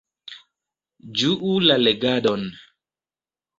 Ĝuu la legadon!